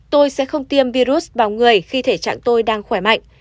tôi sẽ không tiêm virus vào người khi thể trạng tôi đang khỏe mạnh